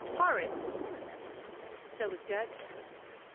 Horace was one of them; so was Goethe.